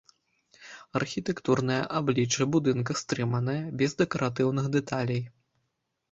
Архітэктурнае аблічча будынка стрыманае, без дэкаратыўных дэталей.